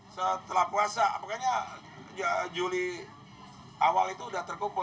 setelah puasa apakahnya juli awal itu sudah terkumpul